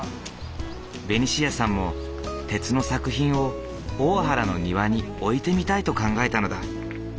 ベニシアさんも鉄の作品を大原の庭に置いてみたいと考えたのだ。